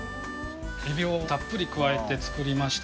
海老をたっぷり加えて作りました